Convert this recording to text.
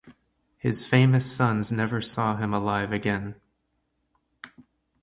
His famous sons never saw him alive again.